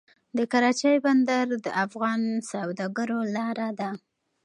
د کراچۍ بندر د افغان سوداګرو لاره ده